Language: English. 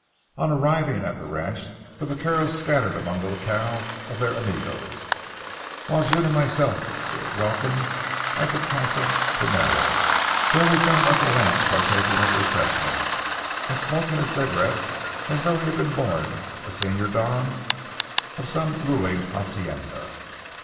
On arriving at the rancho, the vaqueros scattered among the jacals of their amigos, while June and myself were welcomed at the casa primero. There we found Uncle Lance partaking of refreshment, and smoking a cigarette as though he had been born a Señor Don of some ruling hacienda.